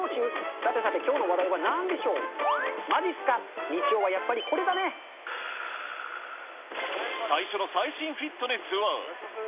さてさて、きょうの話題は何でしょう、まじっすか、日曜はやっぱりこれ最初の最新フィットネスは。